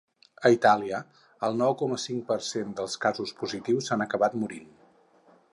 A Itàlia, el nou coma cinc per cent dels casos positius s’han acabat morint.